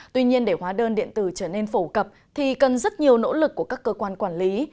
tuy nhiên để hóa đơn điện tử trở nên phổ cập thì cần rất nhiều nỗ lực của các cơ quan quản lý